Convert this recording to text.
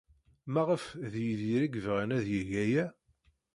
Maɣef d Yidir ay bɣan ad yeg aya?